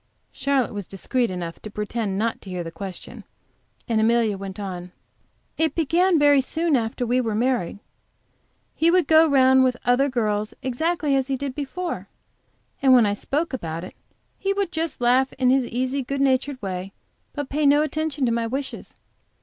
Charlotte was discreet enough to pretend not to hear this question, and Amelia went on: "It began very soon after we were married. He would go round with other girls exactly as he did before; then when I spoke about it he would just laugh in his easy, good natured way, but pay no attention to my wishes.